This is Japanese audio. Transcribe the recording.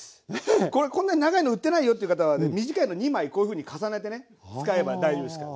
これこんなに長いの売ってないよっていう方はね短いの２枚こういうふうに重ねてね使えば大丈夫ですから。